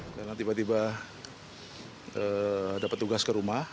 dan tiba tiba dapat tugas ke rumah